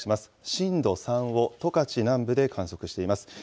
震度３を十勝南部で観測しています。